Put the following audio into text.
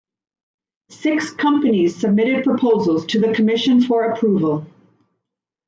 Six companies submitted proposals to the commission for approval.